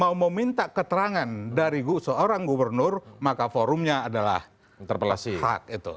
mau meminta keterangan dari seorang gubernur maka forumnya adalah interpelasi hak